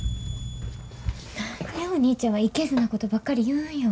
何でお兄ちゃんはいけずなことばっかり言うんよ。